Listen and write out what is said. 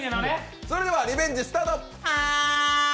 それではリベンジスタート。